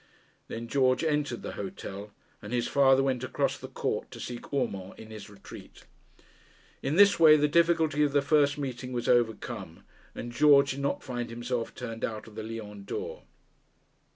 Then George entered the hotel, and his father went across the court to seek Urmand in his retreat. In this way the difficulty of the first meeting was overcome, and George did not find himself turned out of the Lion d'Or.